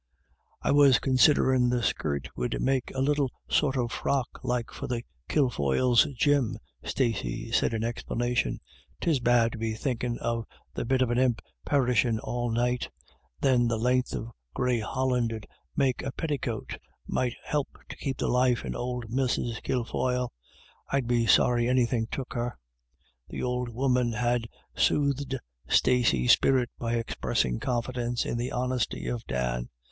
"I was considerin' the skirt would make a little sort o' frock like for the Kilfoyles' Jim," Stacey said in explanation. "Tis bad to be thinkin* of the bit of an imp perishin* all night Then the lenth of grey holland *ud make a petticoat might help to keep the life in ould Mrs. Kilfoyle ; I'd be sorry anythin' took her." — The old woman had soothed Stacey's spirit by expressing confidence in the honesty of Dan.